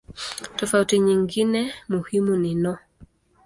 Tofauti nyingine muhimu ni no.